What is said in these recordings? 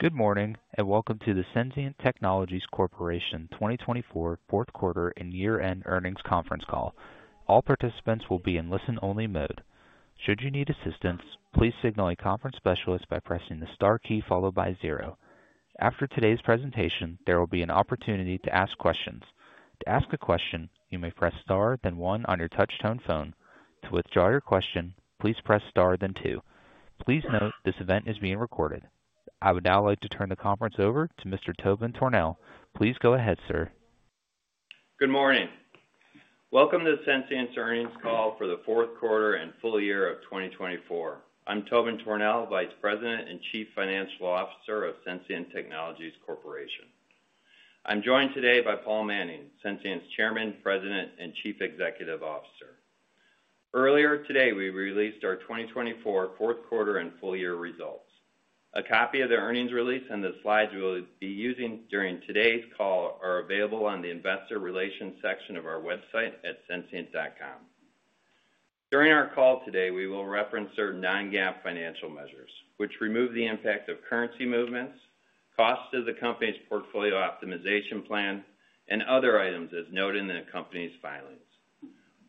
Good morning and welcome to the Sensient Technologies Corporation 2024 Q4 and Year-End Earnings Conference Call. All participants will be in listen-only mode. Should you need assistance, please signal a conference specialist by pressing the star key followed by zero. After today's presentation, there will be an opportunity to ask questions. To ask a question, you may press star, then one on your touch-tone phone. To withdraw your question, please press star, then two. Please note this event is being recorded. I would now like to turn the conference over to Mr. Tobin Tornehl. Please go ahead, sir. Good morning. Welcome to Sensient's Earnings Call for the Q4 and Full Year of 2024. I'm Tobin Tornehl, Vice President and Chief Financial Officer of Sensient Technologies Corporation. I'm joined today by Paul Manning, Sensient's Chairman, President, and Chief Executive Officer. Earlier today, we released our 2024 Q4 and full year results. A copy of the earnings release and the slides we'll be using during today's call are available on the investor relations section of our website at sensient.com. During our call today, we will reference certain non-GAAP financial measures, which remove the impact of currency movements, costs of the company's portfolio optimization plan, and other items as noted in the company's filings.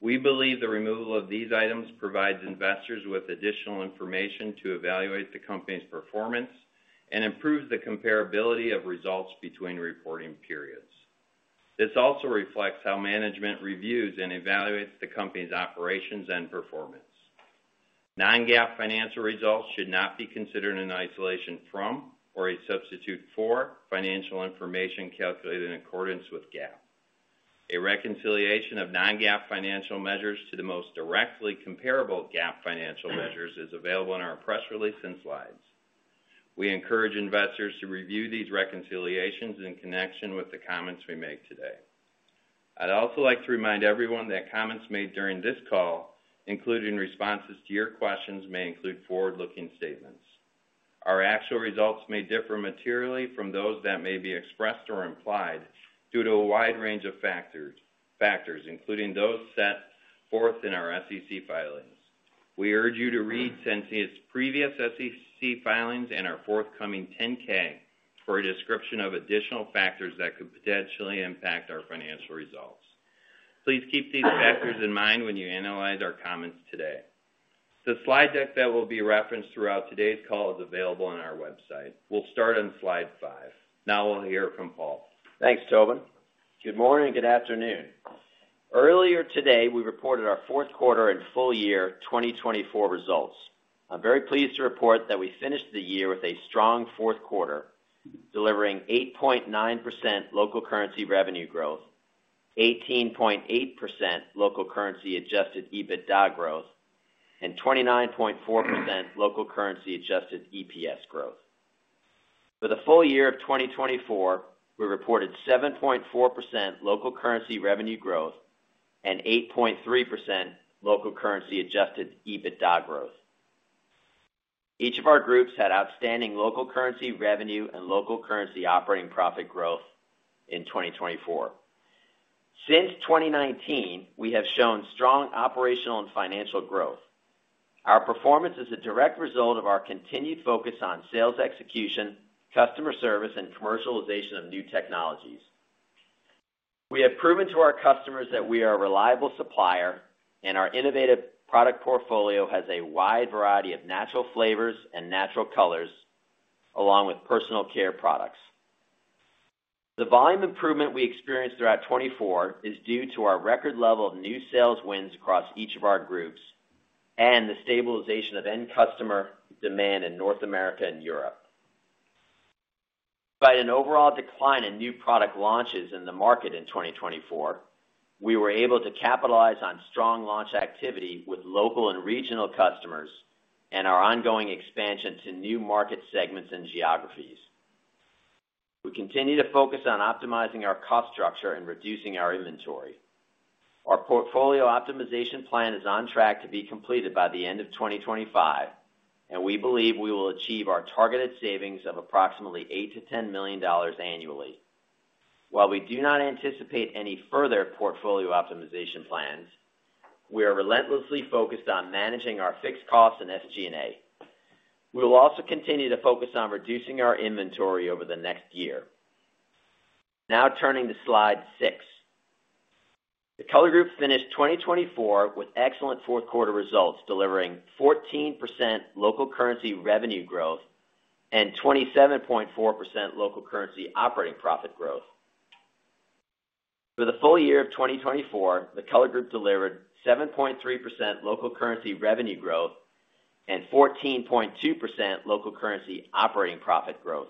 We believe the removal of these items provides investors with additional information to evaluate the company's performance and improves the comparability of results between reporting periods. This also reflects how management reviews and evaluates the company's operations and performance. Non-GAAP financial results should not be considered in isolation from or a substitute for financial information calculated in accordance with GAAP. A reconciliation of non-GAAP financial measures to the most directly comparable GAAP financial measures is available in our press release and slides. We encourage investors to review these reconciliations in connection with the comments we make today. I'd also like to remind everyone that comments made during this call, including responses to your questions, may include forward-looking statements. Our actual results may differ materially from those that may be expressed or implied due to a wide range of factors, including those set forth in our SEC filings. We urge you to read Sensient's previous SEC filings and our forthcoming 10-K for a description of additional factors that could potentially impact our financial results. Please keep these factors in mind when you analyze our comments today. The slide deck that will be referenced throughout today's call is available on our website. We'll start on Slide five. Now we'll hear from Paul. Thanks, Tobin. Good morning and good afternoon. Earlier today, we reported our Q4 and full-year 2024 results. I'm very pleased to report that we finished the year with a strong Q4, delivering 8.9% local currency revenue growth, 18.8% local currency adjusted EBITDA growth, and 29.4% local currency adjusted EPS growth. For the full year of 2024, we reported 7.4% local currency revenue growth and 8.3% local currency adjusted EBITDA growth. Each of our groups had outstanding local currency revenue and local currency operating profit growth in 2024. Since 2019, we have shown strong operational and financial growth. Our performance is a direct result of our continued focus on sales execution, customer service, and commercialization of new technologies. We have proven to our customers that we are a reliable supplier and our innovative product portfolio has a wide variety of natural flavors and natural colors, along with personal care products. The volume improvement we experienced throughout 2024 is due to our record level of new sales wins across each of our groups and the stabilization of end customer demand in North America and Europe. Despite an overall decline in new product launches in the market in 2024, we were able to capitalize on strong launch activity with local and regional customers and our ongoing expansion to new market segments and geographies. We continue to focus on optimizing our cost structure and reducing our inventory. Our portfolio optimization plan is on track to be completed by the end of 2025, and we believe we will achieve our targeted savings of approximately$8 million-$10 million annually. While we do not anticipate any further portfolio optimization plans, we are relentlessly focused on managing our fixed costs and SG&A. We will also continue to focus on reducing our inventory over the next year. Now turning to slide six. The Color Group finished 2024 with excellent Q4 results, delivering 14% local currency revenue growth and 27.4% local currency operating profit growth. For the full year of 2024, the Color Group delivered 7.3% local currency revenue growth and 14.2% local currency operating profit growth.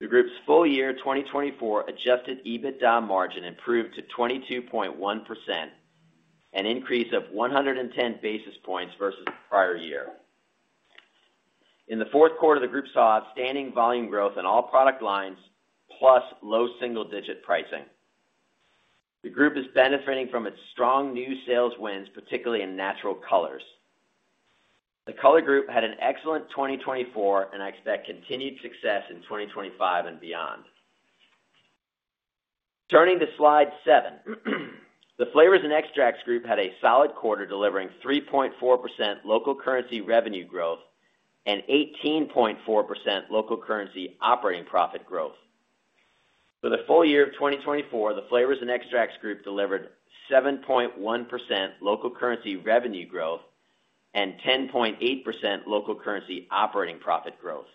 The group's full year 2024 Adjusted EBITDA margin improved to 22.1%, an increase of 110 basis points versus the prior year. In the Q4, the group saw outstanding volume growth in all product lines, plus low single-digit pricing. The group is benefiting from its strong new sales wins, particularly in natural colors. The Color Group had an excellent 2024, and I expect continued success in 2025 and beyond. Turning to slide seven, the Flavors & Extracts Group had a solid quarter, delivering 3.4% local currency revenue growth and 18.4% local currency operating profit growth. For the full year of 2024, the Flavors & Extracts Group delivered 7.1% local currency revenue growth and 10.8% local currency operating profit growth.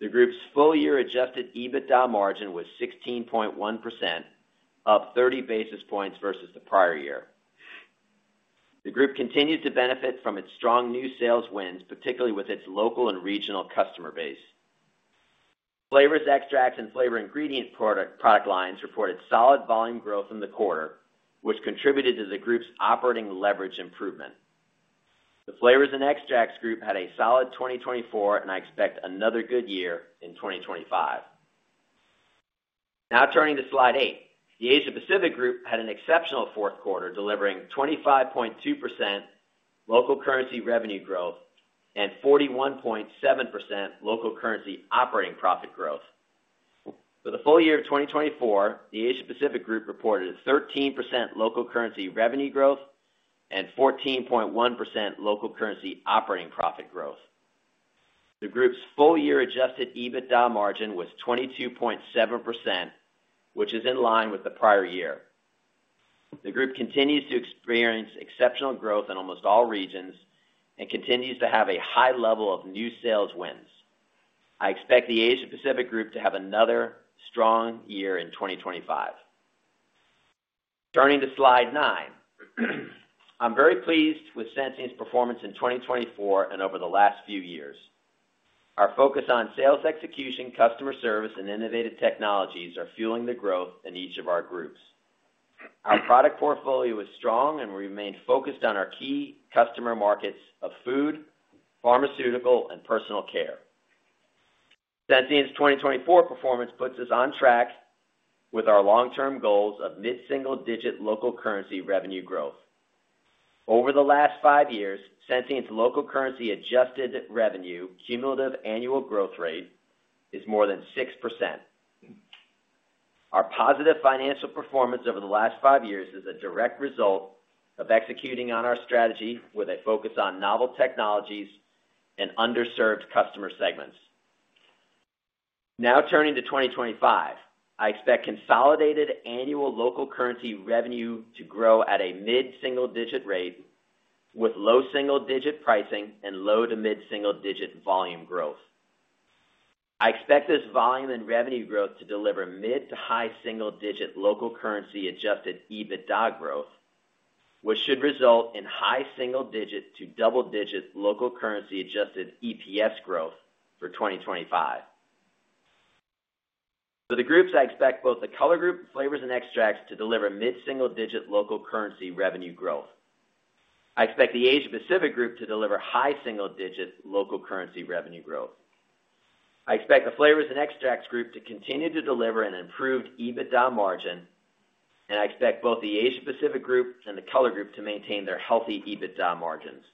The group's full-year adjusted EBITDA margin was 16.1%, up 30 basis points versus the prior year. The group continues to benefit from its strong new sales wins, particularly with its local and regional customer base. Flavors, extracts, and flavor ingredient product lines reported solid volume growth in the quarter, which contributed to the group's operating leverage improvement. The Flavors & Extracts Group had a solid 2024, and I expect another good year in 2025. Now turning to slide eight, the Asia Pacific Group had an exceptional Q4, delivering 25.2% local currency revenue growth and 41.7% local currency operating profit growth. For the full year of 2024, the Asia Pacific Group reported 13% local currency revenue growth and 14.1% local currency operating profit growth. The group's full-year adjusted EBITDA margin was 22.7%, which is in line with the prior year. The group continues to experience exceptional growth in almost all regions and continues to have a high level of new sales wins. I expect the Asia Pacific Group to have another strong year in 2025. Turning to slide nine, I'm very pleased with Sensient's performance in 2024 and over the last few years. Our focus on sales execution, customer service, and innovative technologies are fueling the growth in each of our groups. Our product portfolio is strong, and we remain focused on our key customer markets of food, pharmaceutical, and personal care. Sensient's 2024 performance puts us on track with our long-term goals of mid-single-digit local currency revenue growth. Over the last five years, Sensient's local currency adjusted revenue cumulative annual growth rate is more than 6%. Our positive financial performance over the last five years is a direct result of executing on our strategy with a focus on novel technologies and underserved customer segments. Now turning to 2025, I expect consolidated annual local currency revenue to grow at a mid-single-digit rate with low single-digit pricing and low to mid-single-digit volume growth. I expect this volume and revenue growth to deliver mid to high single-digit local currency adjusted EBITDA growth, which should result in high single-digit to double-digit local currency adjusted EPS growth for 2025. For the groups, I expect both the Color Group, Flavors & Extracts to deliver mid-single-digit local currency revenue growth. I expect the Asia Pacific Group to deliver high single-digit local currency revenue growth. I expect the Flavors & Extracts Group to continue to deliver an improved EBITDA margin, and I expect both the Asia Pacific group and the Color Group to maintain their healthy EBITDA margins.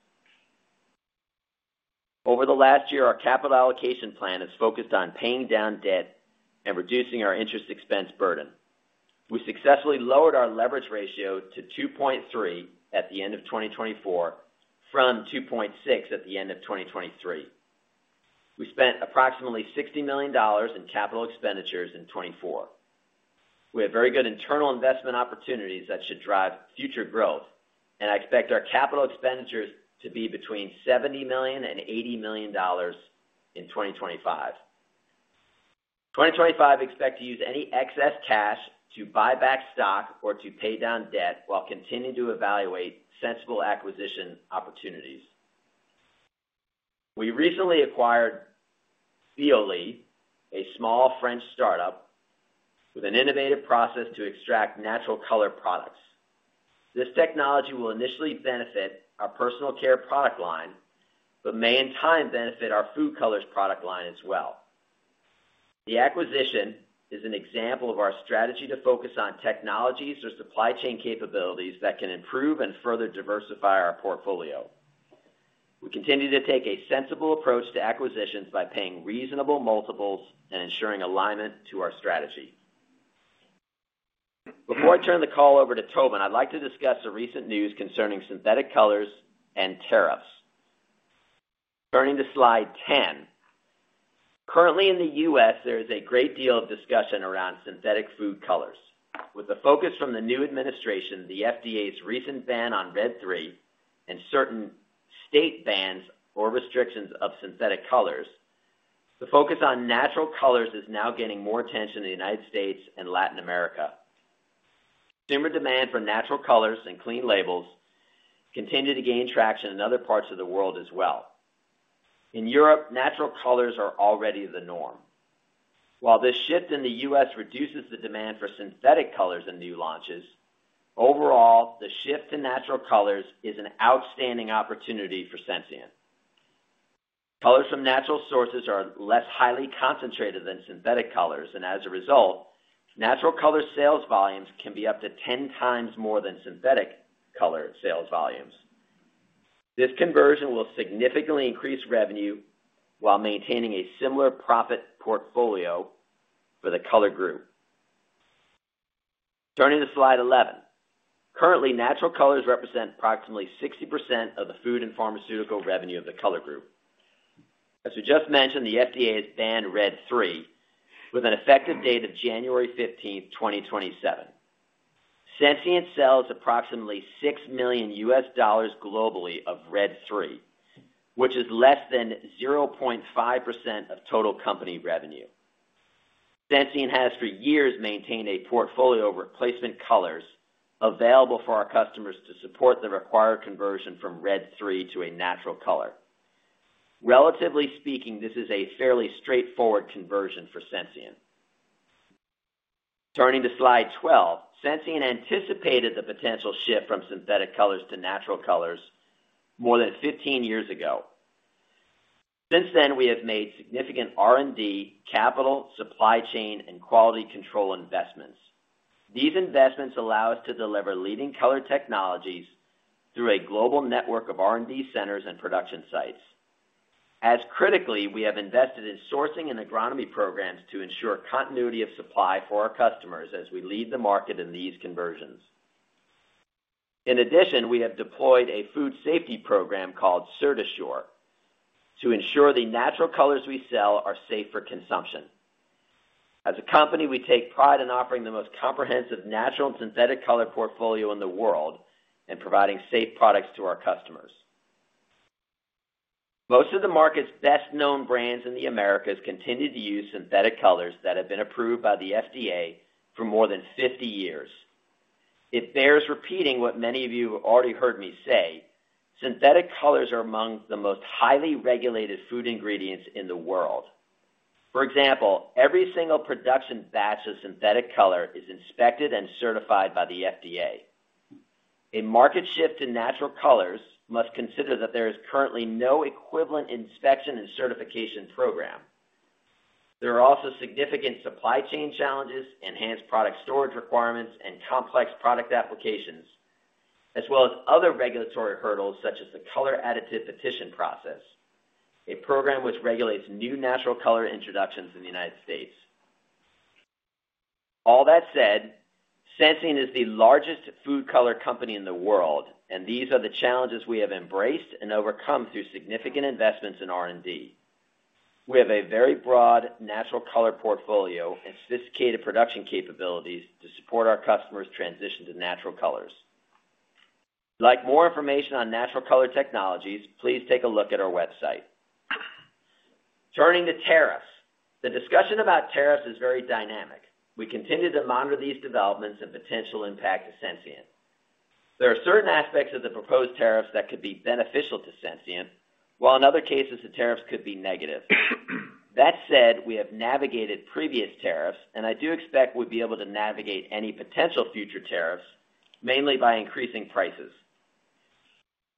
Over the last year, our capital allocation plan has focused on paying down debt and reducing our interest expense burden. We successfully lowered our leverage ratio to 2.3 at the end of 2024 from 2.6 at the end of 2023. We spent approximately $60 million in capital expenditures in 2024. We have very good internal investment opportunities that should drive future growth, and I expect our capital expenditures to be between $70 million and 80 million in 2025. In 2025, I expect to use any excess cash to buy back stock or to pay down debt while continuing to evaluate sensible acquisition opportunities. We recently acquired Biolie, a small French startup with an innovative process to extract natural color products. This technology will initially benefit our personal care product line, but may in time benefit our food colors product line as well. The acquisition is an example of our strategy to focus on technologies or supply chain capabilities that can improve and further diversify our portfolio. We continue to take a sensible approach to acquisitions by paying reasonable multiples and ensuring alignment to our strategy. Before I turn the call over to Tobin, I'd like to discuss the recent news concerning synthetic colors and tariffs. Turning to slide 10, currently in the U.S., there is a great deal of discussion around synthetic food colors. With the focus from the new administration, the FDA's recent ban on Red 3, and certain state bans or restrictions of synthetic colors, the focus on natural colors is now getting more attention in the United States and Latin America. Consumer demand for natural colors and clean labels continues to gain traction in other parts of the world as well. In Europe, natural colors are already the norm. While this shift in the U.S. reduces the demand for synthetic colors and new launches, overall, the shift in natural colors is an outstanding opportunity for Sensient. Colors from natural sources are less highly concentrated than synthetic colors, and as a result, natural color sales volumes can be up to 10 times more than synthetic color sales volumes. This conversion will significantly increase revenue while maintaining a similar profit portfolio for the Color Group. Turning to slide 11, currently, natural colors represent approximately 60% of the food and pharmaceutical revenue of the Color Group. As we just mentioned, the FDA has banned Red 3 with an effective date of 15 January 2027. Sensient sells approximately $6 million globally of Red 3, which is less than 0.5% of total company revenue. Sensient has for years maintained a portfolio of replacement colors available for our customers to support the required conversion from Red 3 to a natural color. Relatively speaking, this is a fairly straightforward conversion for Sensient. Turning to slide 12, Sensient anticipated the potential shift from synthetic colors to natural colors more than 15 years ago. Since then, we have made significant R&D, capital, supply chain, and quality control investments. These investments allow us to deliver leading color technologies through a global network of R&D centers and production sites. As critically, we have invested in sourcing and agronomy programs to ensure continuity of supply for our customers as we lead the market in these conversions. In addition, we have deployed a food safety program called Certasure to ensure the natural colors we sell are safe for consumption. As a company, we take pride in offering the most comprehensive natural and synthetic color portfolio in the world and providing safe products to our customers. Most of the market's best-known brands in the Americas continue to use synthetic colors that have been approved by the FDA for more than 50 years. It bears repeating what many of you already heard me say: synthetic colors are among the most highly regulated food ingredients in the world. For example, every single production batch of synthetic color is inspected and certified by the FDA. A market shift to natural colors must consider that there is currently no equivalent inspection and certification program. There are also significant supply chain challenges, enhanced product storage requirements, and complex product applications, as well as other regulatory hurdles such as the color additive petition process, a program which regulates new natural color introductions in the United States. All that said, Sensient is the largest food color company in the world, and these are the challenges we have embraced and overcome through significant investments in R&D. We have a very broad natural color portfolio and sophisticated production capabilities to support our customers' transition to natural colors. If you'd like more information on natural color technologies, please take a look at our website. Turning to tariffs, the discussion about tariffs is very dynamic. We continue to monitor these developments and potential impact to Sensient. There are certain aspects of the proposed tariffs that could be beneficial to Sensient, while in other cases, the tariffs could be negative. That said, we have navigated previous tariffs, and I do expect we'll be able to navigate any potential future tariffs, mainly by increasing prices.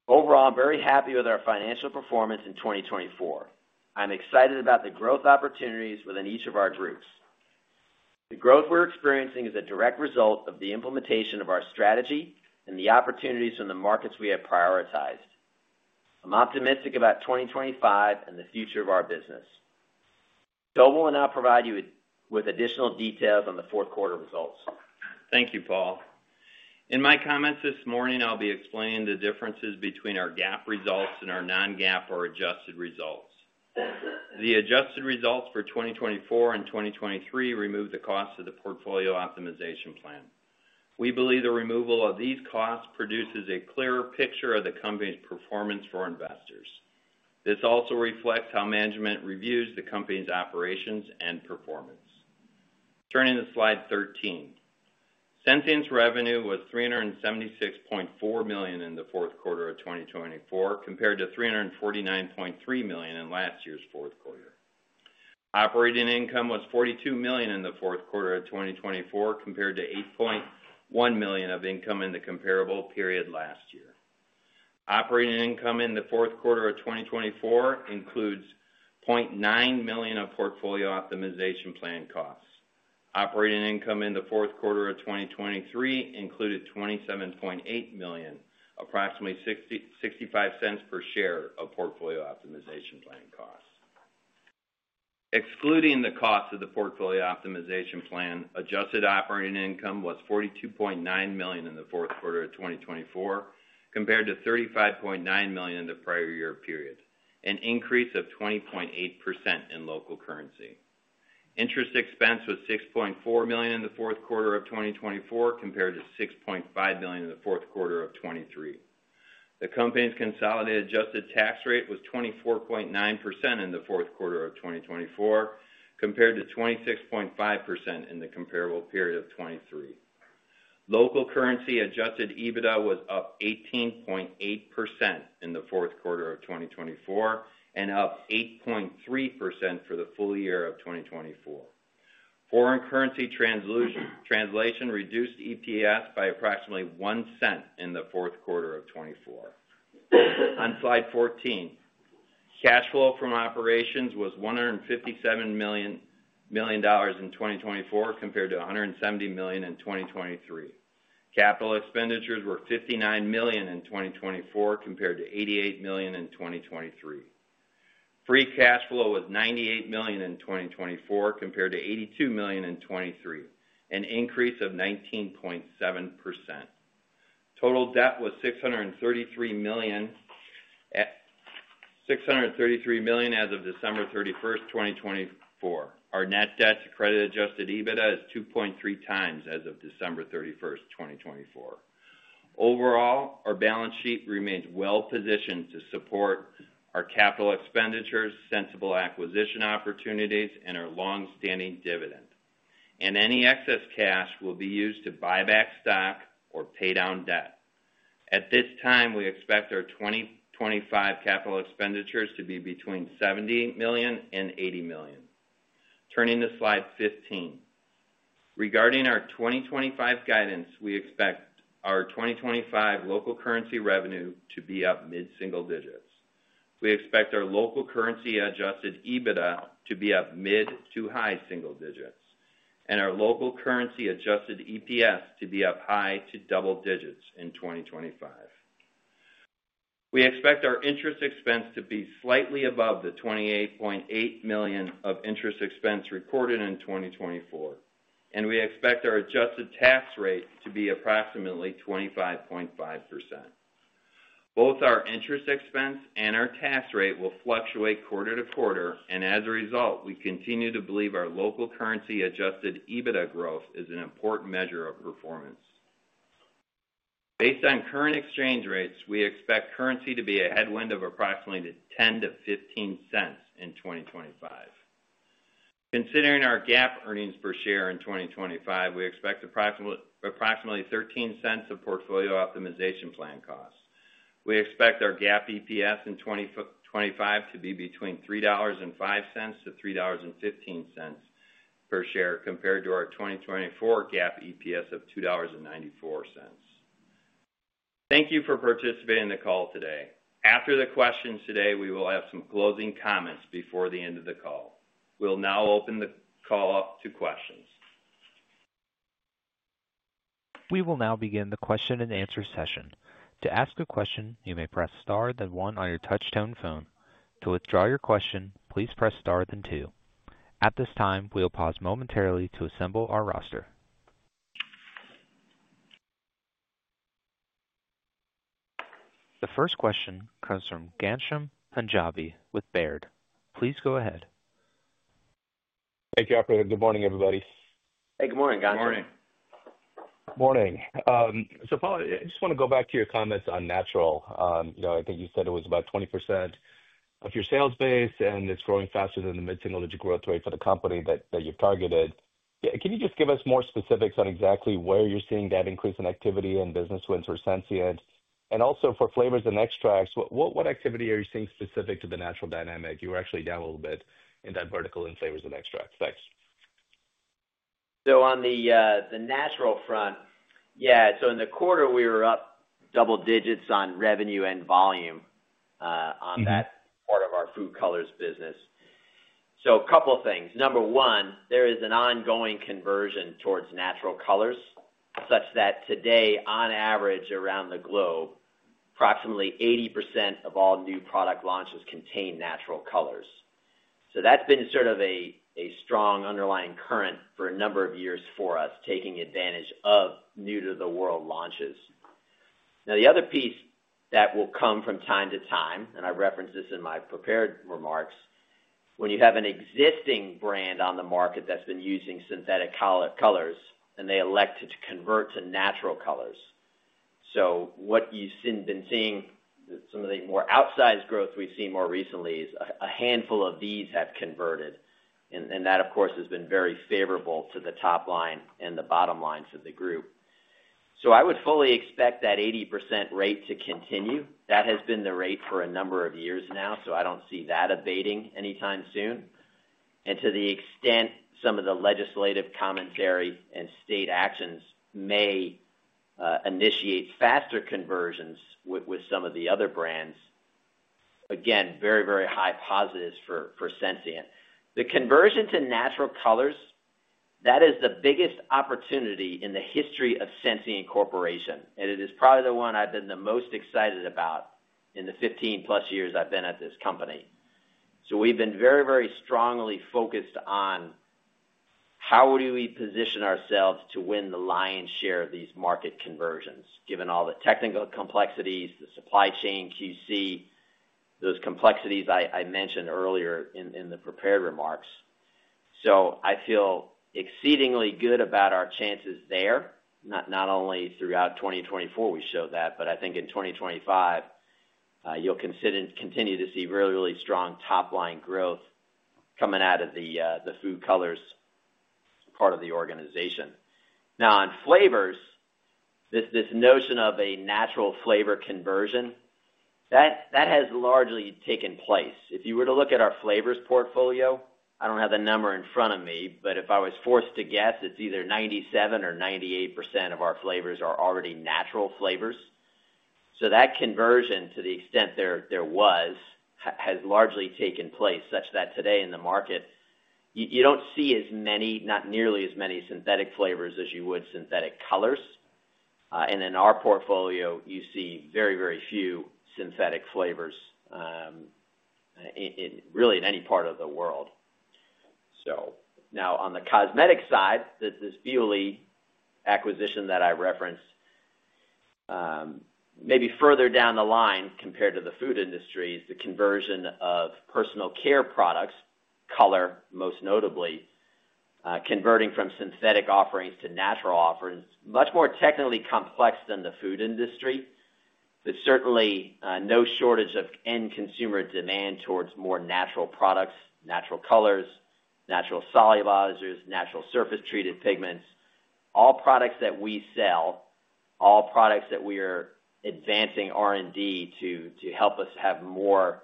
Overall, I'm very happy with our financial performance in 2024. I'm excited about the growth opportunities within each of our groups. The growth we're experiencing is a direct result of the implementation of our strategy and the opportunities in the markets we have prioritized. I'm optimistic about 2025 and the future of our business. Tobin will now provide you with additional details on the Q4 results. Thank you, Paul. In my comments this morning, I'll be explaining the differences between our GAAP results and our non-GAAP or adjusted results. The adjusted results for 2024 and 2023 remove the cost of the portfolio optimization plan. We believe the removal of these costs produces a clearer picture of the company's performance for investors. This also reflects how management reviews the company's operations and performance. Turning to slide 13, Sensient's revenue was $376.4 million in the Q4 of 2024, compared to $349.3 million in last year's Q4. Operating income was $42 million in the Q4 of 2024, compared to $8.1 million of income in the comparable period last year. Operating income in the Q4 of 2024 includes $0.9 million of portfolio optimization plan costs. Operating income in the Q4 of 2023 included $27.8 million, approximately $0.65 per share of portfolio optimization plan costs. Excluding the cost of the portfolio optimization plan, adjusted operating income was $42.9 million in the Q4 of 2024, compared to $35.9 million in the prior year period, an increase of 20.8% in local currency. Interest expense was $6.4 million in the Q4 of 2024, compared to $6.5 million in the Q4 of 2023. The company's consolidated adjusted tax rate was 24.9% in the Q4 of 2024, compared to 26.5% in the comparable period of 2023. Local currency adjusted EBITDA was up 18.8% in the Q4 of 2024 and up 8.3% for the full year of 2024. Foreign currency translation reduced EPS by approximately $0.01 in the Q4 of 2024. On slide 14, cash flow from operations was $157 million in 2024, compared to $170 million in 2023. Capital expenditures were $59 million in 2024, compared to $88 million in 2023. Free cash flow was $98 million in 2024, compared to $82 million in 2023, an increase of 19.7%. Total debt was $633 million as of December 31st, 2024. Our net debt to adjusted EBITDA is 2.3x as of December 31st, 2024. Overall, our balance sheet remains well-positioned to support our capital expenditures, sensible acquisition opportunities, and our long-standing dividend. Any excess cash will be used to buy back stock or pay down debt. At this time, we expect our 2025 capital expenditures to be between $70 million and 80 million. Turning to slide 15, regarding our 2025 guidance, we expect our 2025 local currency revenue to be up mid-single digits. We expect our local currency adjusted EBITDA to be up mid-to high-single digits, and our local currency adjusted EPS to be up high- to double-digits in 2025. We expect our interest expense to be slightly above the $28.8 million of interest expense recorded in 2024, and we expect our adjusted tax rate to be approximately 25.5%. Both our interest expense and our tax rate will fluctuate quarter-to-quarter, and as a result, we continue to believe our local currency adjusted EBITDA growth is an important measure of performance. Based on current exchange rates, we expect currency to be a headwind of approximately $0.10-$0.15 in 2025. Considering our GAAP earnings per share in 2025, we expect approximately $0.13 of portfolio optimization plan costs. We expect our GAAP EPS in 2025 to be between $3.05 to 3.15 per share, compared to our 2024 GAAP EPS of $2.94. Thank you for participating in the call today. After the questions today, we will have some closing comments before the end of the call. We'll now open the call up to questions. We will now begin the question and answer session. To ask a question, you may press star then one on your touch-tone phone. To withdraw your question, please press star then two. At this time, we'll pause momentarily to assemble our roster. The first question comes from Ghansham Panjabi with Baird. Please go ahead. Hey, [gentlemen]. Good morning, everybody. Hey, good morning, Ghansham. Morning. Morning. So, Paul, I just want to go back to your comments on natural. I think you said it was about 20% of your sales base, and it's growing faster than the mid-single digit growth rate for the company that you've targeted. Can you just give us more specifics on exactly where you're seeing that increase in activity and business wins for Sensient? And also for flavors and extracts, what activity are you seeing specific to the natural dynamic? You were actually down a little bit in that vertical in flavors and extracts. Thanks. So on the natural front, yeah, so in the quarter, we were up double digits on revenue and volume on that part of our food colors business. So a couple of things. Number one, there is an ongoing conversion towards natural colors, such that today, on average around the globe, approximately 80% of all new product launches contain natural colors. So that's been sort of a strong underlying current for a number of years for us, taking advantage of new-to-the-world launches. Now, the other piece that will come from time to time, and I referenced this in my prepared remarks, when you have an existing brand on the market that's been using synthetic colors, and they elect to convert to natural colors. So what you've been seeing, some of the more outsized growth we've seen more recently is a handful of these have converted. And that, of course, has been very favorable to the top line and the bottom line for the group. So I would fully expect that 80% rate to continue. That has been the rate for a number of years now, so I don't see that abating anytime soon. And to the extent some of the legislative commentary and state actions may initiate faster conversions with some of the other brands, again, very, very high positives for Sensient. The conversion to natural colors, that is the biggest opportunity in the history of Sensient Corporation. And it is probably the one I've been the most excited about in the 15-plus years I've been at this company. So we've been very, very strongly focused on how do we position ourselves to win the lion's share of these market conversions, given all the technical complexities, the supply chain QC, those complexities I mentioned earlier in the prepared remarks. So I feel exceedingly good about our chances there, not only throughout 2024 we showed that, but I think in 2025, you'll continue to see really, really strong top-line growth coming out of the food colors part of the organization. Now, on flavors, this notion of a natural flavor conversion, that has largely taken place. If you were to look at our flavors portfolio, I don't have the number in front of me, but if I was forced to guess, it's either 97% or 98% of our flavors are already natural flavors, so that conversion, to the extent there was, has largely taken place, such that today in the market, you don't see as many, not nearly as many synthetic flavors as you would synthetic colors, and in our portfolio, you see very, very few synthetic flavors really in any part of the world. So now, on the cosmetic side, this Biolie acquisition that I referenced. Maybe further down the line, compared to the food industry is the conversion of personal care products, color most notably, converting from synthetic offerings to natural offerings, much more technically complex than the food industry, but certainly no shortage of end consumer demand towards more natural products, natural colors, natural solubilizers, natural surface-treated pigments. All products that we sell, all products that we are advancing R&D to help us have more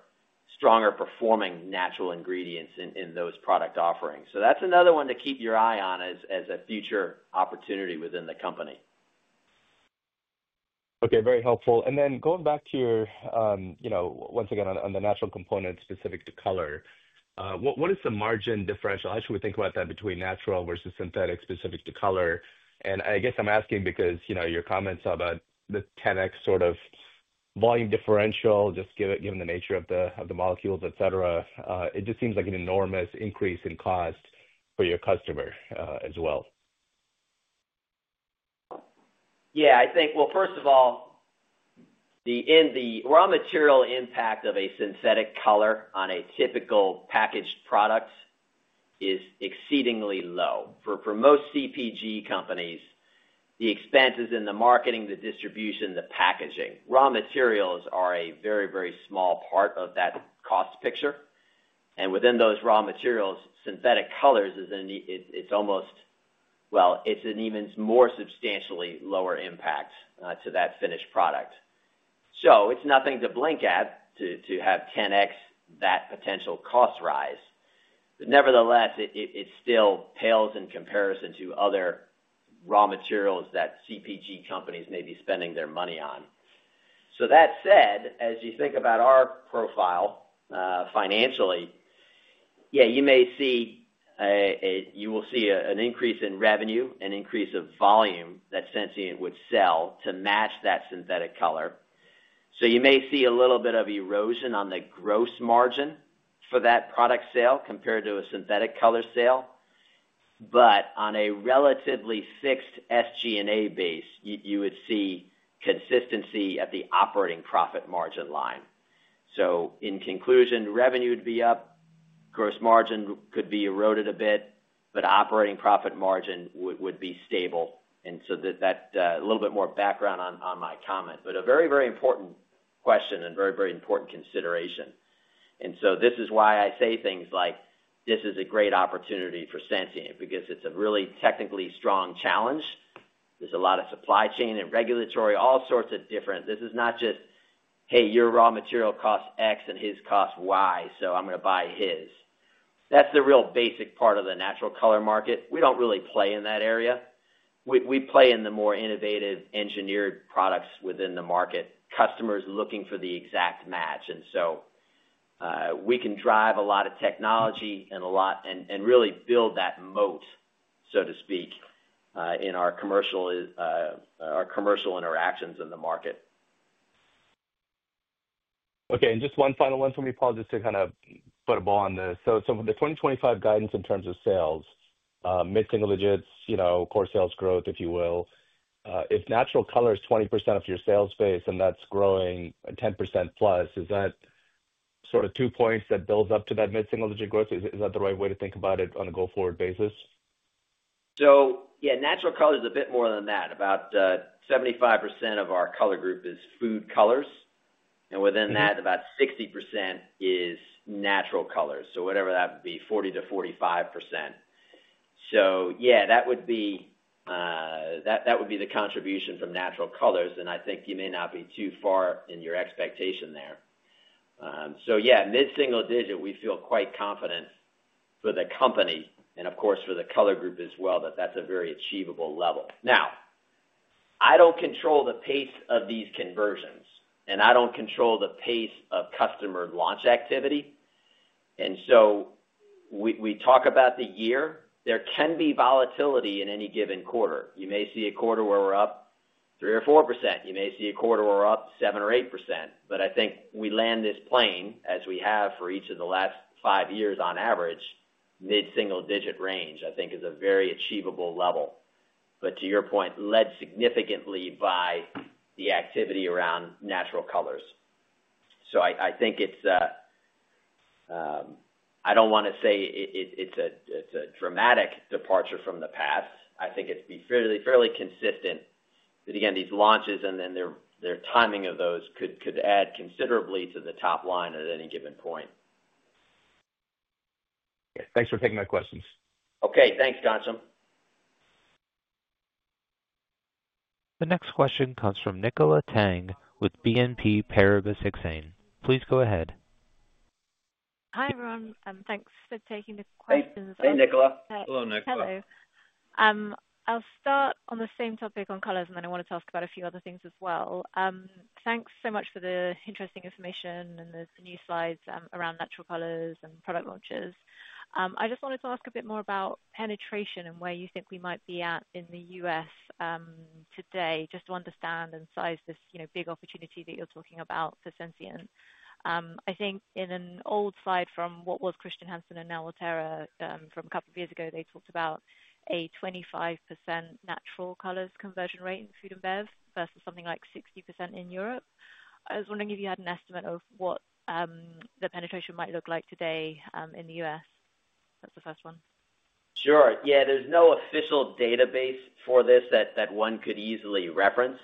stronger-performing natural ingredients in those product offerings. So that's another one to keep your eye on as a future opportunity within the company. Okay. Very helpful. And then going back to your, once again, on the natural component specific to color, what is the margin differential? How should we think about that between natural versus synthetic specific to color? And I guess I'm asking because your comments about the 10x sort of volume differential, just given the nature of the molecules, etc., it just seems like an enormous increase in cost for your customer as well. Yeah. I think, well, first of all, the raw material impact of a synthetic color on a typical packaged product is exceedingly low. For most CPG companies, the expenses in the marketing, the distribution, the packaging, raw materials are a very, very small part of that cost picture. And within those raw materials, synthetic colors is almost, well, it's an even more substantially lower impact to that finished product. So it's nothing to blink at to have 10x that potential cost rise. But nevertheless, it still pales in comparison to other raw materials that CPG companies may be spending their money on. So that said, as you think about our profile financially, yeah, you will see an increase in revenue, an increase of volume that Sensient would sell to match that synthetic color. So you may see a little bit of erosion on the gross margin for that product sale compared to a synthetic color sale. But on a relatively fixed SG&A base, you would see consistency at the operating profit margin line. So in conclusion, revenue would be up, gross margin could be eroded a bit, but operating profit margin would be stable. And so that's a little bit more background on my comment. But a very, very important question and very, very important consideration. And so this is why I say things like, "This is a great opportunity for Sensient because it's a really technically strong challenge. There's a lot of supply chain and regulatory, all sorts of different. This is not just, "Hey, your raw material costs X and his costs Y, so I'm going to buy his." That's the real basic part of the natural color market. We don't really play in that area. We play in the more innovative engineered products within the market, customers looking for the exact match. And so we can drive a lot of technology and really build that moat, so to speak, in our commercial interactions in the market. Okay. And just one final one from me, Paul, just to kind of put a bow on this. So the 2025 guidance in terms of sales, mid-single digits, core sales growth, if you will, if natural color is 20% of your sales base and that's growing 10% plus, is that sort of two points that builds up to that mid-single digit growth? Is that the right way to think about it on a go-forward basis? So yeah, natural color is a bit more than that. About 75% of our Color Group is food colors. And within that, about 60% is natural colors. So whatever that would be, 40%-45%. So yeah, that would be the contribution from natural colors. And I think you may not be too far in your expectation there. So yeah, mid-single digit, we feel quite confident for the company and, of course, for the Color Group as well, that that's a very achievable level. Now, I don't control the pace of these conversions, and I don't control the pace of customer launch activity. And so we talk about the year. There can be volatility in any given quarter. You may see a quarter where we're up 3 or 4%. You may see a quarter where we're up 7 % or 8%. But I think we land this plane, as we have for each of the last five years on average, mid-single digit range, I think, is a very achievable level. But to your point, led significantly by the activity around natural colors. So I think it's I don't want to say it's a dramatic departure from the past. I think it's been fairly consistent. But again, these launches and then their timing of those could add considerably to the top line at any given point. Okay. Thanks for taking my questions. Okay. Thanks, Ghansham. The next question comes from Nicola Tang with BNP Paribas Exane. Please go ahead. Hi everyone. And thanks for taking the questions. Hey, Nicola. Hello, Nicola. Hello. I'll start on the same topic on colors, and then I want to talk about a few other things as well. Thanks so much for the interesting information and the new slides around natural colors and product launches. I just wanted to ask a bit more about penetration and where you think we might be at in the U.S. today, just to understand and size this big opportunity that you're talking about for Sensient. I think in an old slide from what was Chr. Hansen and now Oterra from a couple of years ago, they talked about a 25% natural colors conversion rate in food and bev versus something like 60% in Europe. I was wondering if you had an estimate of what the penetration might look like today in the U.S. That's the first one. Sure. Yeah. There's no official database for this that one could easily reference.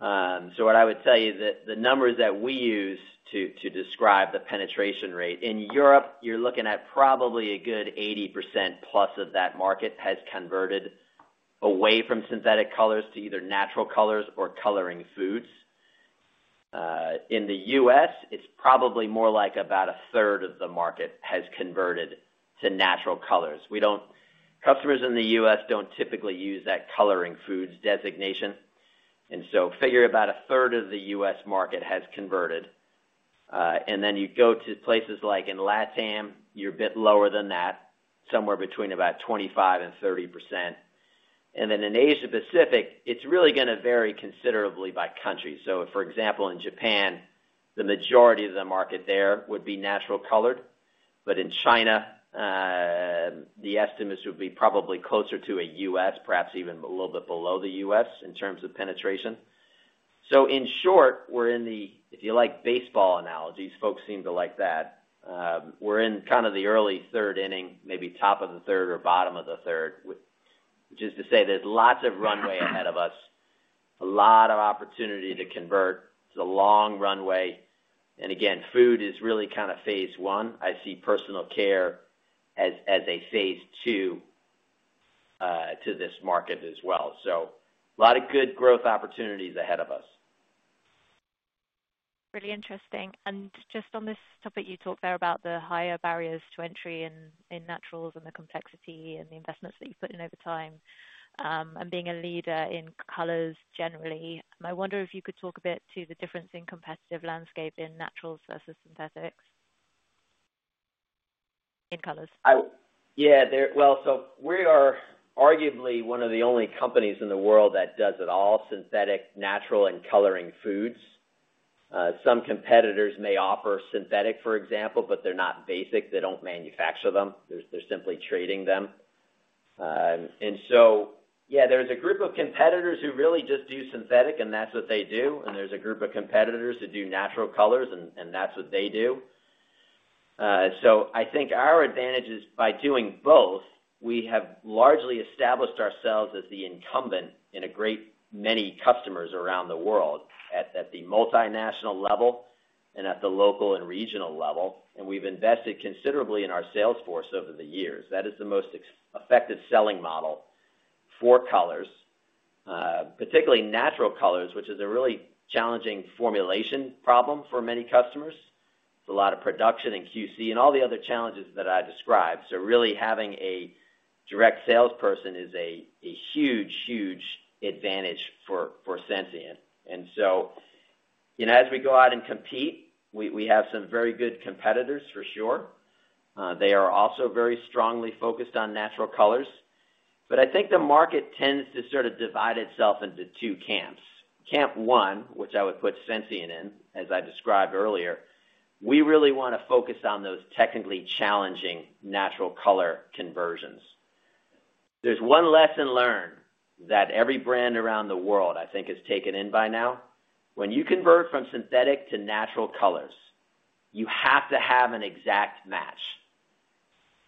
So what I would tell you is that the numbers that we use to describe the penetration rate in Europe, you're looking at probably a good 80% plus of that market has converted away from synthetic colors to either natural colors or coloring foods. In the U.S., it's probably more like about a third of the market has converted to natural colors. Customers in the U.S. don't typically use that coloring foods designation. And so figure about a third of the U.S. market has converted. And then you go to places like in LATAM, you're a bit lower than that, somewhere between about 25% and 30%. And then in Asia Pacific, it's really going to vary considerably by country. So for example, in Japan, the majority of the market there would be natural colored. But in China, the estimates would be probably closer to a U.S., perhaps even a little bit below the U.S. in terms of penetration. So in short, we're in the, if you like baseball analogies, folks seem to like that, we're in kind of the early third inning, maybe top of the third or bottom of the third, which is to say there's lots of runway ahead of us, a lot of opportunity to convert. It's a long runway. And again, food is really kind of phase 1. I see personal care as a phase 2 to this market as well. So a lot of good growth opportunities ahead of us. Really interesting. And just on this topic, you talked there about the higher barriers to entry in naturals and the complexity and the investments that you've put in over time and being a leader in colors generally. I wonder if you could talk a bit to the difference in competitive landscape in naturals versus synthetics in colors. Yeah. Well, so we are arguably one of the only companies in the world that does it all, synthetic, natural, and coloring foods. Some competitors may offer synthetic, for example, but they're not basic. They don't manufacture them. They're simply trading them. And so yeah, there's a group of competitors who really just do synthetic, and that's what they do. And there's a group of competitors that do natural colors, and that's what they do. So I think our advantage is by doing both, we have largely established ourselves as the incumbent in a great many customers around the world at the multinational level and at the local and regional level. And we've invested considerably in our sales force over the years. That is the most effective selling model for colors, particularly natural colors, which is a really challenging formulation problem for many customers. It's a lot of production and QC and all the other challenges that I described. So really having a direct salesperson is a huge, huge advantage for Sensient. And so as we go out and compete, we have some very good competitors for sure. They are also very strongly focused on natural colors. But I think the market tends to sort of divide itself into two camps. Camp one, which I would put Sensient in, as I described earlier, we really want to focus on those technically challenging natural color conversions. There's one lesson learned that every brand around the world, I think, has taken in by now. When you convert from synthetic to natural colors, you have to have an exact match.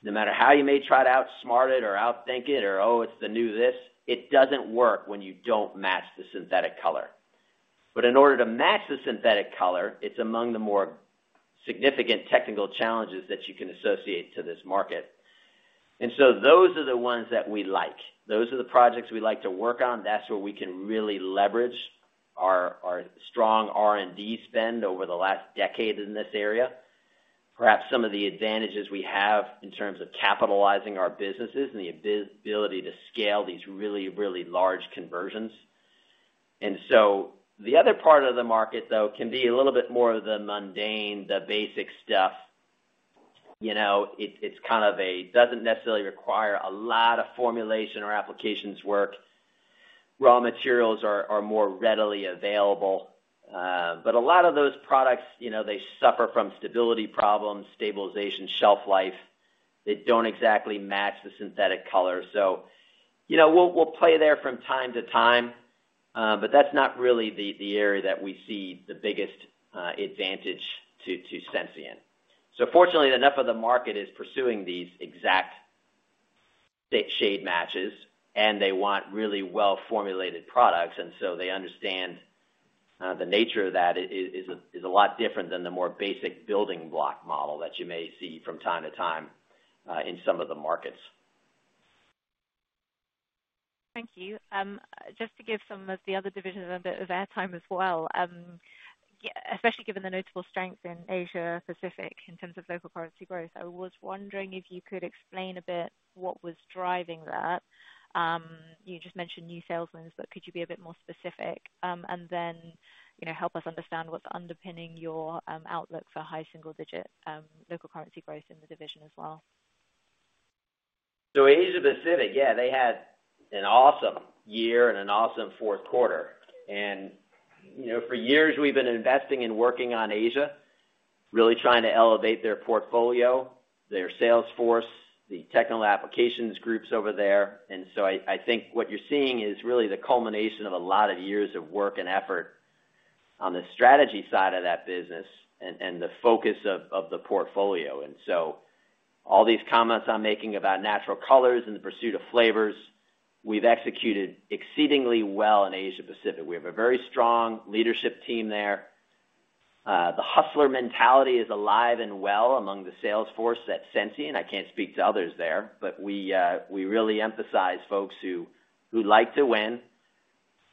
No matter how you may try to outsmart it or outthink it or, "Oh, it's the new this," it doesn't work when you don't match the synthetic color. But in order to match the synthetic color, it's among the more significant technical challenges that you can associate to this market. And so those are the ones that we like. Those are the projects we like to work on. That's where we can really leverage our strong R&D spend over the last decade in this area, perhaps some of the advantages we have in terms of capitalizing our businesses and the ability to scale these really, really large conversions. And so the other part of the market, though, can be a little bit more of the mundane, the basic stuff. It's kind of a doesn't necessarily require a lot of formulation or applications work. Raw materials are more readily available. But a lot of those products, they suffer from stability problems, stabilization, shelf life. They don't exactly match the synthetic color. So we'll play there from time to time. But that's not really the area that we see the biggest advantage to Sensient. So, fortunately, enough of the market is pursuing these exact shade matches, and they want really well-formulated products. And so they understand the nature of that is a lot different than the more basic building block model that you may see from time to time in some of the markets. Thank you. Just to give some of the other divisions a bit of airtime as well, especially given the notable strength in Asia Pacific in terms of local currency growth, I was wondering if you could explain a bit what was driving that. You just mentioned new sales wins, but could you be a bit more specific and then help us understand what's underpinning your outlook for high single-digit local currency growth in the division as well? So Asia Pacific, yeah, they had an awesome year and an awesome Q4. And for years, we've been investing and working on Asia, really trying to elevate their portfolio, their sales force, the technical applications groups over there. And so I think what you're seeing is really the culmination of a lot of years of work and effort on the strategy side of that business and the focus of the portfolio. And so all these comments I'm making about natural colors and the pursuit of flavors, we've executed exceedingly well in Asia Pacific. We have a very strong leadership team there. The hustler mentality is alive and well among the sales force at Sensient. I can't speak to others there, but we really emphasize folks who like to win,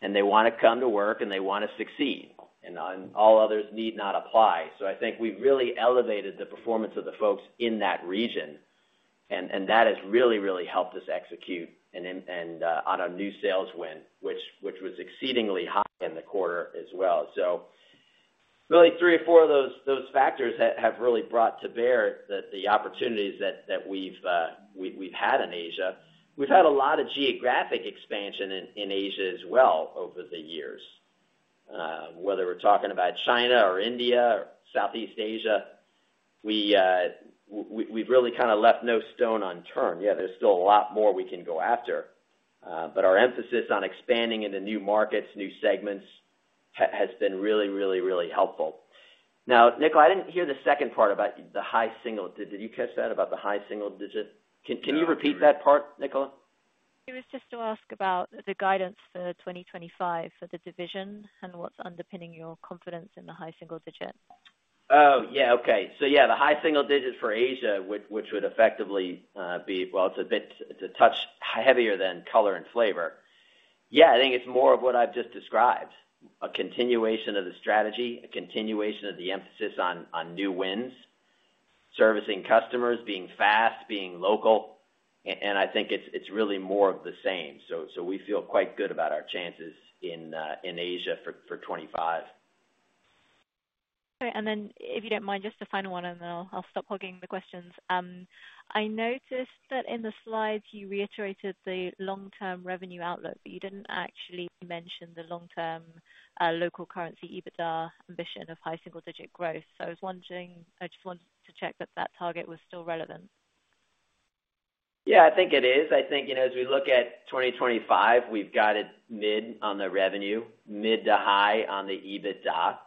and they want to come to work, and they want to succeed. And all others need not apply. So I think we've really elevated the performance of the folks in that region. And that has really, really helped us execute on our new sales win, which was exceedingly high in the quarter as well. So really, three or four of those factors have really brought to bear the opportunities that we've had in Asia. We've had a lot of geographic expansion in Asia as well over the years. Whether we're talking about China or India, or Southeast Asia, we've really kind of left no stone unturned. Yeah, there's still a lot more we can go after. But our emphasis on expanding into new markets, new segments has been really, really, really helpful. Now, Nicola, I didn't hear the second part about the high single digit—did you catch that about the high single digit? Can you repeat that part, Nicola? It was just to ask about the guidance for 2025 for the division and what's underpinning your confidence in the high-single digit. Oh, yeah. Okay. So yeah, the high single digit for Asia, which would effectively be—well, it's a touch heavier than color and flavor. Yeah, I think it's more of what I've just described: a continuation of the strategy, a continuation of the emphasis on new wins, servicing customers, being fast, being local. And I think it's really more of the same. So we feel quite good about our chances in Asia for 2025. Okay. And then if you don't mind, just the final one, and then I'll stop hogging the questions. I noticed that in the slides, you reiterated the long-term revenue outlook, but you didn't actually mention the long-term local currency EBITDA ambition of high single-digit growth. So I was wondering, I just wanted to check that that target was still relevant. Yeah, I think it is. I think as we look at 2025, we've got it mid on the revenue, mid to high on the EBITDA.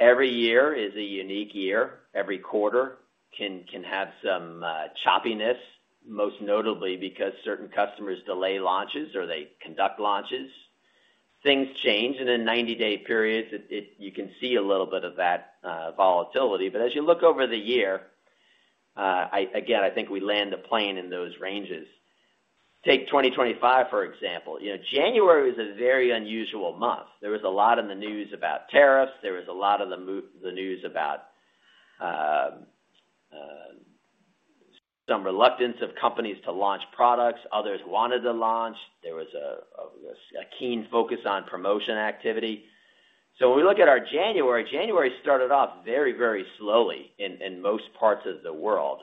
Every year is a unique year. Every quarter can have some choppiness, most notably because certain customers delay launches or they conduct launches. Things change, and in 90-day periods, you can see a little bit of that volatility, but as you look over the year, again, I think we land the plane in those ranges. Take 2025, for example. January was a very unusual month. There was a lot in the news about tariffs. There was a lot in the news about some reluctance of companies to launch products. Others wanted to launch. There was a keen focus on promotion activity, so when we look at our January, January started off very, very slowly in most parts of the world,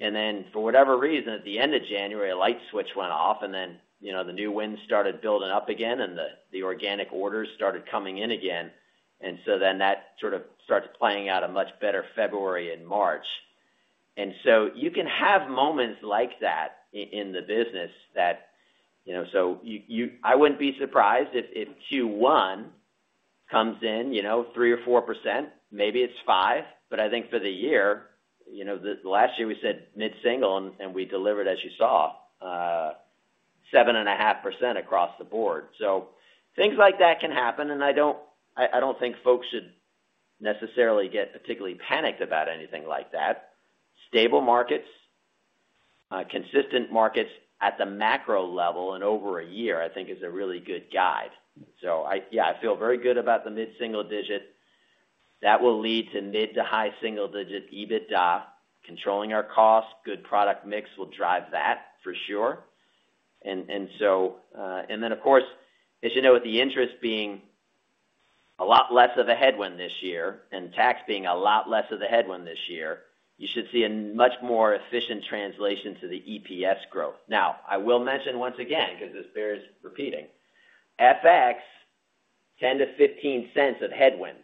and then for whatever reason, at the end of January, a light switch went off, and then the new winds started building up again, and the organic orders started coming in again. And so then that sort of started playing out, a much better February and March. And so you can have moments like that in the business that. So I wouldn't be surprised if Q1 comes in 3% or 4%. Maybe it's 5%. But I think for the year, last year we said mid single, and we delivered, as you saw, 7.5% across the board. So things like that can happen, and I don't think folks should necessarily get particularly panicked about anything like that. Stable markets, consistent markets at the macro level in over a year, I think, is a really good guide. So yeah, I feel very good about the mid-single digit. That will lead to mid- to high-single-digit EBITDA, controlling our costs. Good product mix will drive that for sure. And then, of course, as you know, with the interest being a lot less of a headwind this year and tax being a lot less of the headwind this year, you should see a much more efficient translation to the EPS growth. Now, I will mention once again, because this bear is repeating, FX, $0.10-$0.15 of headwind.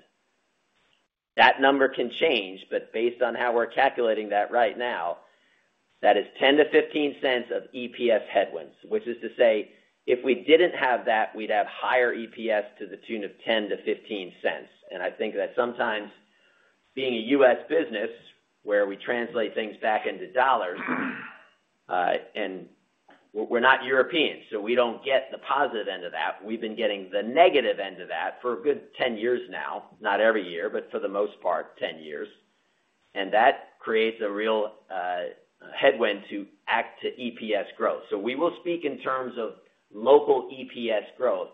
That number can change, but based on how we're calculating that right now, that is $0.10-$0.15 of EPS headwinds, which is to say if we didn't have that, we'd have higher EPS to the tune of $0.10-$ 0.15. And I think that sometimes, being a U.S. business where we translate things back into dollars, and we're not Europeans, so we don't get the positive end of that. We've been getting the negative end of that for a good 10 years now, not every year, but for the most part, 10 years. And that creates a real headwind to EPS growth. So we will speak in terms of local EPS growth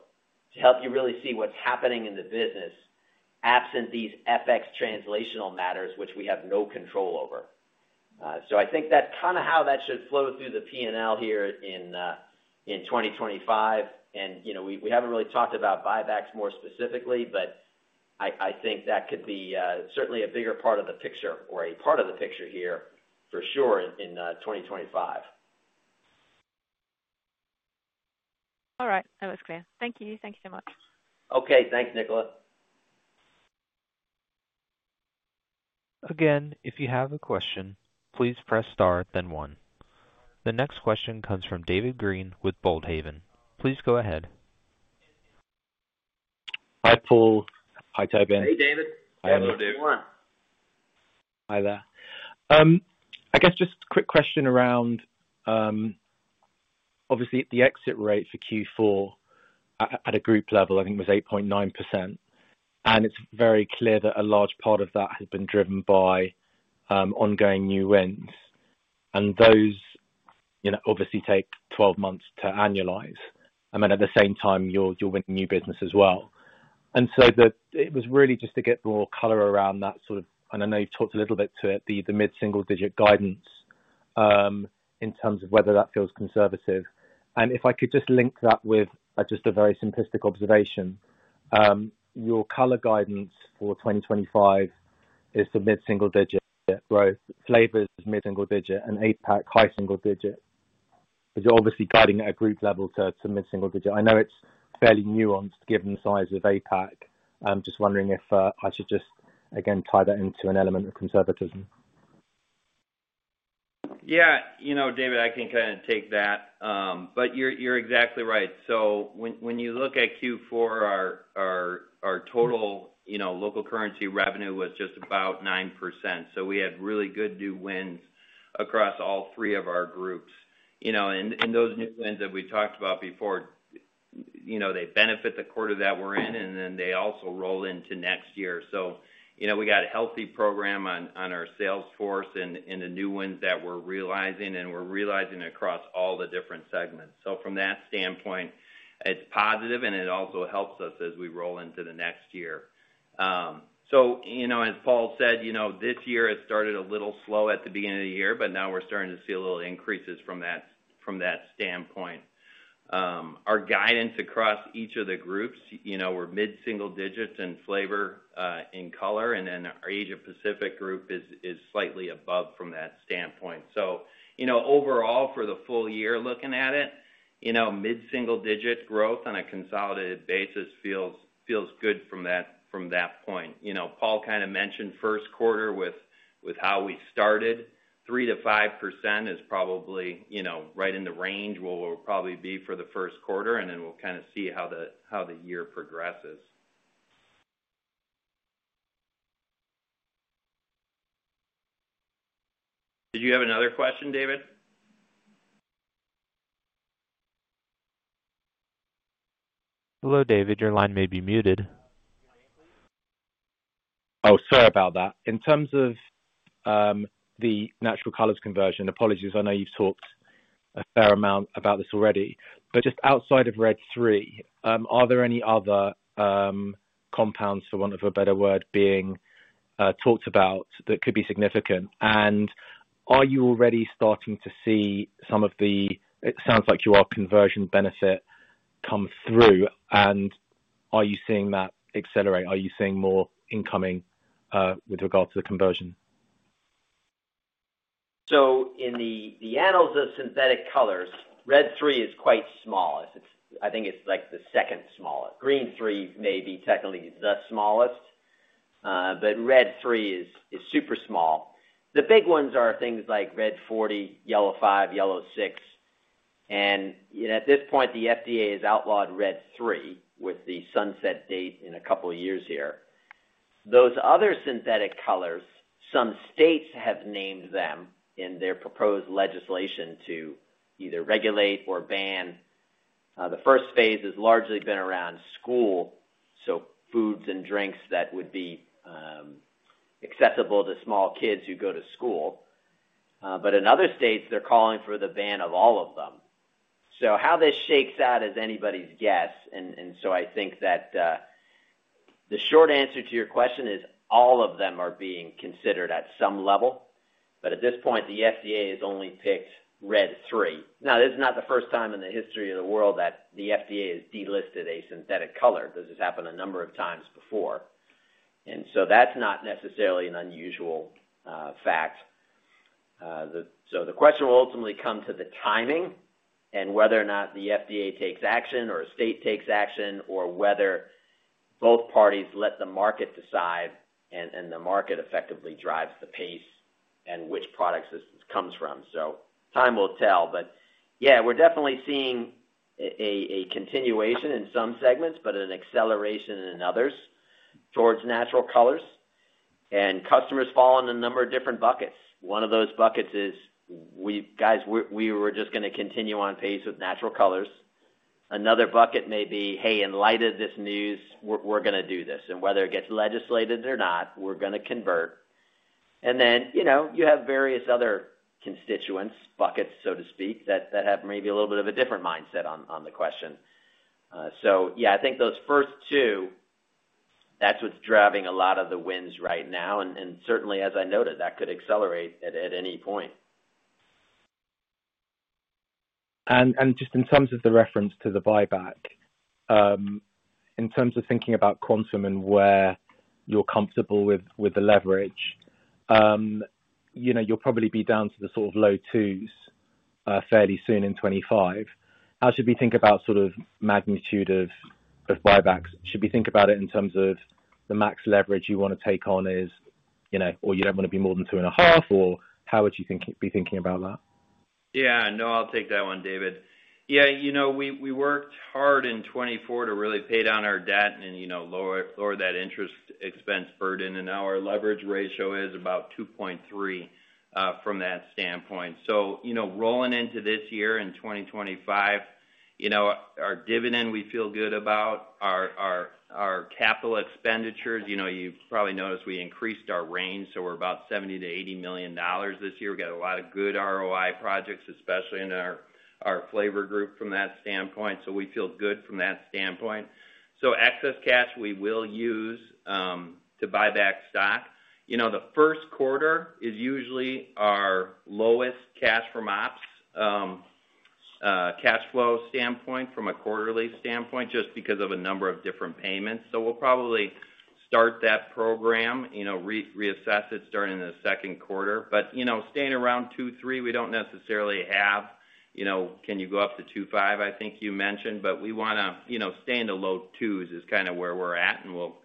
to help you really see what's happening in the business absent these FX translational matters, which we have no control over. So I think that's kind of how that should flow through the P&L here in 2025. And we haven't really talked about buybacks more specifically, but I think that could be certainly a bigger part of the picture or a part of the picture here for sure in 2025. All right. That was clear. Thank you. Thank you so much. Okay. Thanks, Nicola. Again, if you have a question, please press star, then one. The next question comes from David Green with Boldhaven. Please go ahead. Hi, Paul. Hi, Tobin. Hey, David. Hi, everyone. Hi, there. I guess just a quick question around, obviously, the exit rate for Q4 at a group level. I think it was 8.9%. And it's very clear that a large part of that has been driven by ongoing new wins. And those obviously take 12 months to annualize. And then at the same time, you'll win new business as well. And so it was really just to get more color around that sort of, and I know you've talked a little bit to it, the mid single-digit guidance in terms of whether that feels conservative. And if I could just link that with just a very simplistic observation, your color guidance for 2025 is the mid-single digit growth, flavors mid-single digit, and APAC high-single digit. But you're obviously guiding at a group level to mid single digit. I know it's fairly nuanced given the size of APAC. I'm just wondering if I should just, again, tie that into an element of conservatism. Yeah, David, I can kind of take that. But you're exactly right. So when you look at Q4, our total local currency revenue was just about 9%. So we had really good new wins across all three of our groups. And those new wins that we talked about before, they benefit the quarter that we're in, and then they also roll into next year. So we got a healthy program on our sales force and the new wins that we're realizing, and we're realizing across all the different segments. So from that standpoint, it's positive, and it also helps us as we roll into the next year. So as Paul said, this year has started a little slow at the beginning of the year, but now we're starting to see a little increases from that standpoint. Our guidance across each of the groups, we're mid-single digit in flavor and color, and then our Asia Pacific group is slightly above from that standpoint. So overall, for the full year looking at it, mid single digit growth on a consolidated basis feels good from that point. Paul kind of mentioned Q1 with how we started. 3%-5% is probably right in the range where we'll probably be for the Q1, and then we'll kind of see how the year progresses. Did you have another question, David? Hello, David. Your line may be muted. Oh, sorry about that. In terms of the natural colors conversion, apologies. I know you've talked a fair amount about this already. But just outside of Red 3, are there any other compounds, for want of a better word, being talked about that could be significant? And are you already starting to see some of the--it sounds like you are conversion benefit come through? And are you seeing that accelerate? Are you seeing more incoming with regard to the conversion? So in the annals of synthetic colors, Red 3 is quite small. I think it's like the second smallest. Green 3 may be technically the smallest, but Red 3 is super small. The big ones are things like Red 40, Yellow 5, Yellow 6. And at this point, the FDA has outlawed Red 3 with the sunset date in a couple of years here. Those other synthetic colors, some states have named them in their proposed legislation to either regulate or ban. The first phase has largely been around school, so foods and drinks that would be accessible to small kids who go to school. But in other states, they're calling for the ban of all of them. So how this shakes out is anybody's guess. And so I think that the short answer to your question is all of them are being considered at some level. But at this point, the FDA has only picked Red 3. Now, this is not the first time in the history of the world that the FDA has delisted a synthetic color. This has happened a number of times before. And so that's not necessarily an unusual fact. So the question will ultimately come to the timing and whether or not the FDA takes action or a state takes action or whether both parties let the market decide, and the market effectively drives the pace and which products this comes from. So time will tell. But yeah, we're definitely seeing a continuation in some segments, but an acceleration in others towards natural colors. And customers fall in a number of different buckets. One of those buckets is, "Guys, we were just going to continue on pace with natural colors." Another bucket may be, "Hey, in light of this news, we're going to do this. And whether it gets legislated or not, we're going to convert." And then you have various other constituents, buckets, so to speak, that have maybe a little bit of a different mindset on the question. So yeah, I think those first two, that's what's driving a lot of the wins right now. And certainly, as I noted, that could accelerate at any point. And just in terms of the reference to the buyback, in terms of thinking about quantum and where you're comfortable with the leverage, you'll probably be down to the sort of low twos fairly soon in 2025. How should we think about sort of magnitude of buybacks? Should we think about it in terms of the max leverage you want to take on is, or you don't want to be more than two and a half, or how would you be thinking about that? Yeah. No, I'll take that one, David. Yeah. We worked hard in 2024 to really pay down our debt and lower that interest expense burden. And now our leverage ratio is about 2.3 from that standpoint. Rolling into this year in 2025, our dividend, we feel good about. Our capital expenditures, you've probably noticed we increased our range. We're about $70 million-$80 million this year. We got a lot of good ROI projects, especially in our flavor group from that standpoint. We feel good from that standpoint. Excess cash, we will use to buy back stock. The Q1 is usually our lowest cash from ops cash flow standpoint from a quarterly standpoint just because of a number of different payments. We'll probably start that program, reassess it starting in the Q2, but staying around 2.3, we don't necessarily have, "Can you go up to 2.5?" I think you mentioned, but we want to stay in the low twos is kind of where we're at, and we'll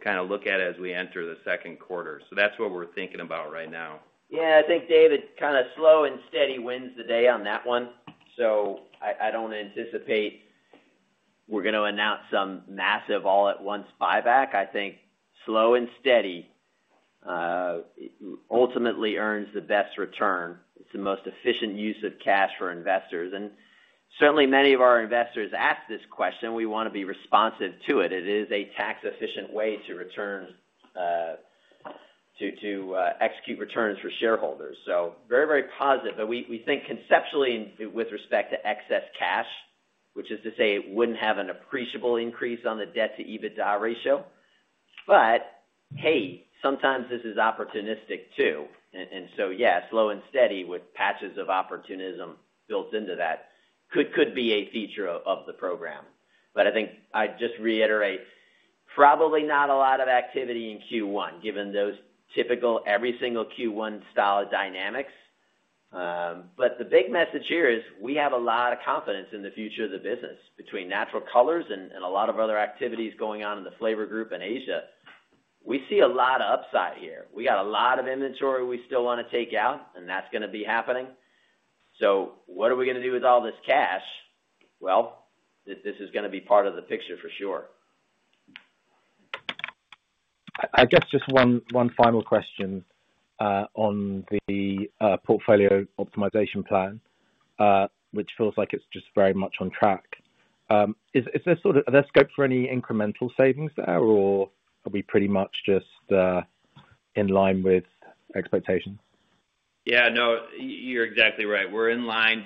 kind of look at it as we enter the Q2. That's what we're thinking about right now. Yeah. I think, David, kind of slow and steady wins the day on that one. I don't anticipate we're going to announce some massive all-at-once buyback. I think slow and steady ultimately earns the best return. It's the most efficient use of cash for investors. Certainly, many of our investors ask this question. We want to be responsive to it. It is a tax-efficient way to execute returns for shareholders. Very, very positive. We think conceptually with respect to excess cash, which is to say it wouldn't have an appreciable increase on the debt-to-EBITDA ratio. Hey, sometimes this is opportunistic too. Yeah, slow and steady with patches of opportunism built into that could be a feature of the program. But I think I'd just reiterate, probably not a lot of activity in Q1, given those typical every single Q1 style dynamics. But the big message here is we have a lot of confidence in the future of the business between natural colors and a lot of other activities going on in the flavor group in Asia. We see a lot of upside here. We got a lot of inventory we still want to take out, and that's going to be happening. So what are we going to do with all this cash? Well, this is going to be part of the picture for sure. I guess just one final question on the portfolio optimization plan, which feels like it's just very much on track. Is there scope for any incremental savings there, or are we pretty much just in line with expectations? Yeah. No, you're exactly right. We're in line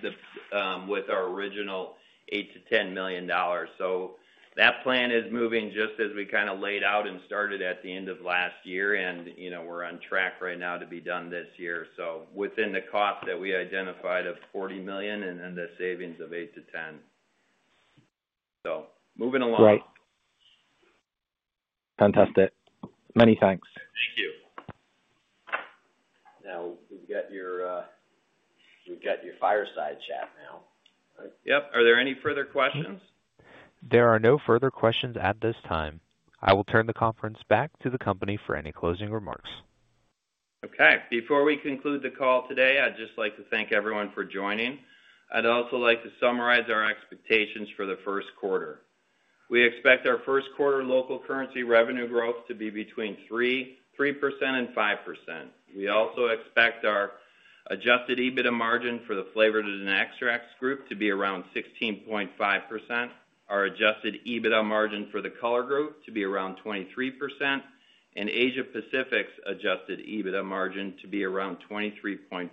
with our original $8 million-$10 million. So that plan is moving just as we kind of laid out and started at the end of last year. And we're on track right now to be done this year. So within the cost that we identified of $40 million and then the savings of $8 million-$10 million. So moving along. Right. Fantastic. Many thanks. Thank you. Now, we've got your fireside chat now. Yeah. Are there any further questions? There are no further questions at this time. I will turn the conference back to the company for any closing remarks. Okay. Before we conclude the call today, I'd just like to thank everyone for joining. I'd also like to summarize our expectations for the Q1. We expect our Q1 local currency revenue growth to be between 3% and 5%. We also expect our adjusted EBITDA margin for the Flavors & Extracts Group to be around 16.5%, our adjusted EBITDA margin for the Color Group to be around 23%, and Asia Pacific's adjusted EBITDA margin to be around 23.5%.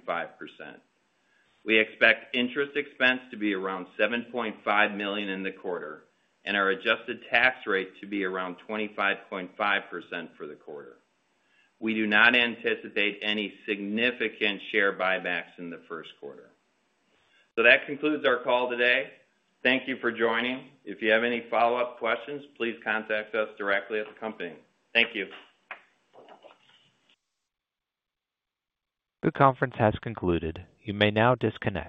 We expect interest expense to be around $7.5 million in the quarter and our adjusted tax rate to be around 25.5% for the quarter. We do not anticipate any significant share buybacks in the Q1. So that concludes our call today. Thank you for joining. If you have any follow-up questions, please contact us directly at the company. Thank you. The conference has concluded. You may now disconnect.